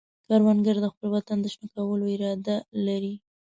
کروندګر د خپل وطن د شنه کولو اراده لري